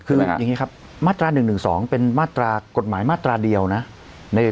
คืออย่างนี้ครับมาตรา๑๑๒เป็นมาตรากฎหมายมาตราเดียวนะ